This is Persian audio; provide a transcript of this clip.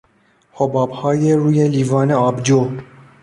حبابهای روی لیوان آبجو